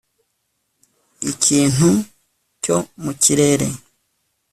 Ikintu cyo mu kirere